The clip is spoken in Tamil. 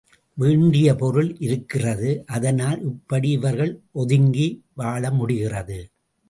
வேண்டிய பொருள் இருக்கிறது அதனால் இப்படி இவர்கள் ஒதுங்கி வாழமுடிகிறது.